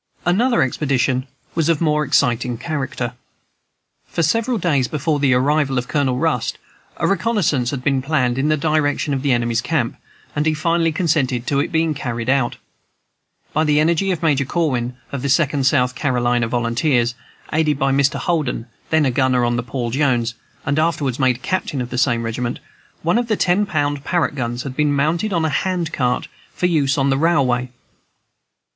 Another expedition was of more exciting character. For several days before the arrival of Colonel Rust a reconnaissance had been planned in the direction of the enemy's camp, and he finally consented to its being carried out. By the energy of Major Corwin, of the Second South Carolina Volunteers, aided by Mr. Holden, then a gunner on the Paul Jones, and afterwards made captain of the same regiment, one of the ten pound Parrott guns had been mounted on a hand car, for use on the railway.